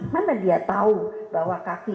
mana dia tahu bahwa kaki